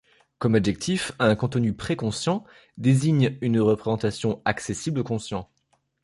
Comme adjectif, un contenu préconscient désigne une représentation accessible au conscient.